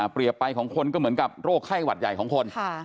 ไปของคนก็เหมือนกับโรคไข้หวัดใหญ่ของคน